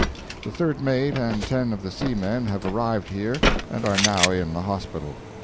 The third mate and ten of the seamen have arrived here and are now in the hospital.